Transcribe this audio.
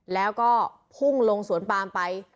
แล้วก็พุ่งลงสวนปามไป